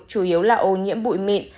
chủ yếu là ô nhiễm bụi mịn